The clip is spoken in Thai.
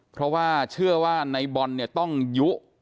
เพราะว่าเชื่อว่าในบอลเนี่ยต้องยุ